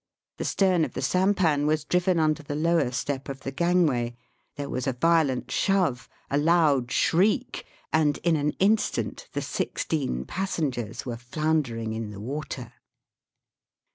The stem of the sampan was driven under the lower step of the gangway. There was a violent shove, a loud shriek, and in an instant the sixteen passengers were floundering in the water.